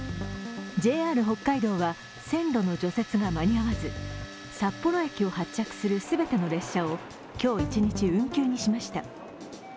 ＪＲ北海道は線路の除雪が間に合わず、札幌駅を発着する全ての列車を今日一日、運休にしました。